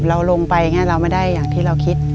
เราลงไปอย่างนี้เราไม่ได้อย่างที่เราคิด